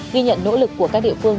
ghi nhận nỗ lực của các địa phương